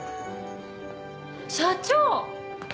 社長！